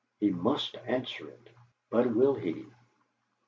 He must answer it. But will he?'